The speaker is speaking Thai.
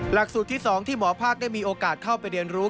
หลักสูตรที่๒ที่หมอภาคได้มีโอกาสเข้าไปเรียนรู้